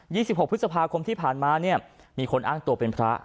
สิบหกพฤษภาคมที่ผ่านมาเนี่ยมีคนอ้างตัวเป็นพระ